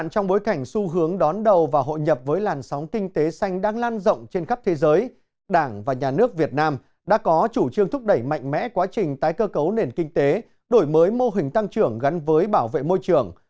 trong bối cảnh xu hướng đón đầu và hội nhập với làn sóng kinh tế xanh đang lan rộng trên khắp thế giới đảng và nhà nước việt nam đã có chủ trương thúc đẩy mạnh mẽ quá trình tái cơ cấu nền kinh tế đổi mới mô hình tăng trưởng gắn với bảo vệ môi trường